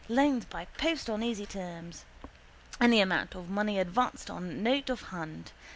Loans by post on easy terms. Any amount of money advanced on note of hand.